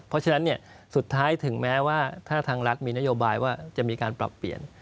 เพราะฉะนั้นสุดท้ายถึงแม้ว่าถ้าทางรัฐมีนโยบายว่าจะมีการปรับเปลี่ยน